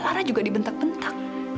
lara juga dibentak bentak